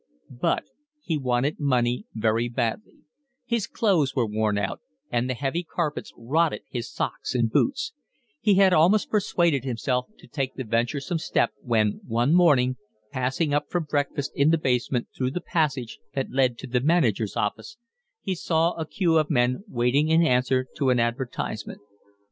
But he wanted money very badly; his clothes were worn out, and the heavy carpets rotted his socks and boots; he had almost persuaded himself to take the venturesome step when one morning, passing up from breakfast in the basement through the passage that led to the manager's office, he saw a queue of men waiting in answer to an advertisement.